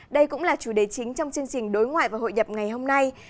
đây cũng là chủ đề chính trong chương trình đối ngoại và hội nhập ngày hôm nay